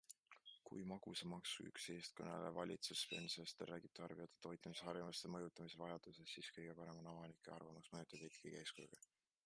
Kui magusamaksu üks eestkõneleja valitsuses Sven Sester räägib tarbijate toitumisharjumuste mõjutamise vajadusest, siis kõige parem on avalikku arvamust mõjutada ikkagi eeskujuga.